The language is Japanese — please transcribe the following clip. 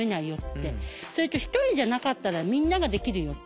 それって一人じゃなかったらみんなができるよって。